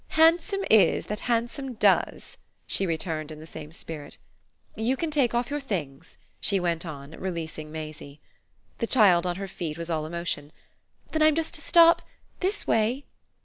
"Handsome is that handsome does!" she returned in the same spirit. "You can take off your things," she went on, releasing Maisie. The child, on her feet, was all emotion. "Then I'm just to stop this way?"